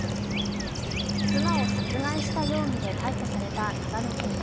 妻を殺害した容疑で逮捕された長野県議。